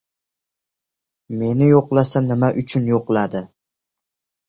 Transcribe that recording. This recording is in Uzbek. Meni yo‘qlasa — nima uchun yo‘qladi?